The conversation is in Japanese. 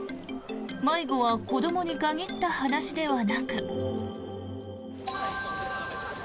迷子は子どもに限った話ではなく。